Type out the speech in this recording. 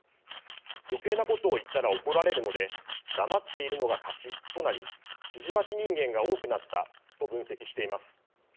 余計なことを言ったら怒られるので黙っているのが勝ちとなり指示待ち人間が多くなった」と分析しています。